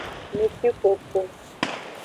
Nukwikoko.